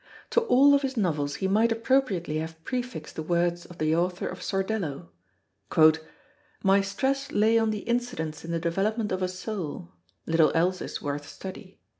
To all of his novels he might appropriately have prefixed the words of the author of Sordello: "My stress lay on the incidents in the development of a soul; little else is worth study."